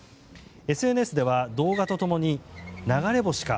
ＳＮＳでは動画と共に流れ星か？